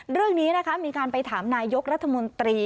เรื่องนี้นะคะมีการไปถามนายกรัฐมนตรี